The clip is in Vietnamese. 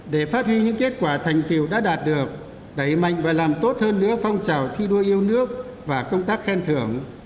để phát huy những kết quả thành tiệu đã đạt được đẩy mạnh và làm tốt hơn nữa phong trào thi đua yêu nước và công tác khen thưởng